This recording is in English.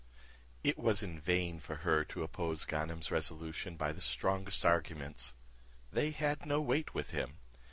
It was in vain for her to oppose Ganem's resolution by the strongest arguments; they had no weight with him.